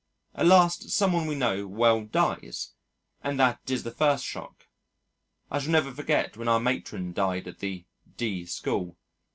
At last some one we know well dies and that is the first shock.... I shall never forget when our Matron died at the D School....